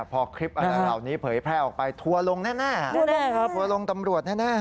พอคลิปเหล่านี้เผยแพร่ออกไปทัวร์ลงแน่ตำรวจแน่